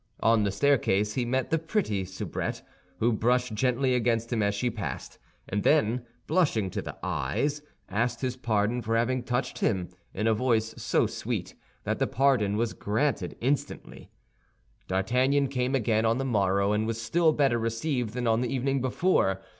On the staircase he met the pretty soubrette, who brushed gently against him as she passed, and then, blushing to the eyes, asked his pardon for having touched him in a voice so sweet that the pardon was granted instantly. D'Artagnan came again on the morrow, and was still better received than on the evening before.